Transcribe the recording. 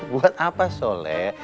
buat apa soleh